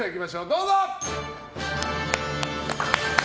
どうぞ！